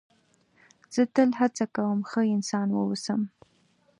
زه تل هڅه کوم ښه انسان و اوسم.